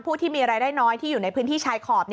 ผู้ที่มีรายได้น้อยที่อยู่ในพื้นที่ชายขอบ